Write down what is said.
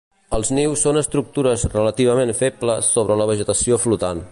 Els nius són estructures relativament febles sobre la vegetació flotant.